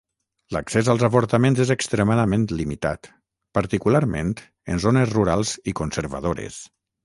L'accés als avortaments és extremadament limitat, particularment en zones rurals i conservadores.